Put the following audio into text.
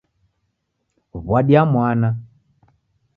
W'adia mwana